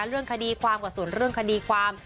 เรื่องคดีความกับส่วนเรื่องคดีความ